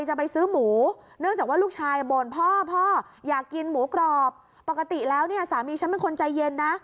หูกรอบปกติแล้วเนี่ยสามีฉันเป็นคนใจเย็นนะ